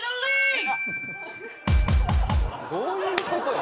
どういうこと？